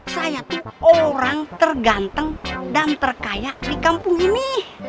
saya tuh orang tergantung dan terkaya di kampung ini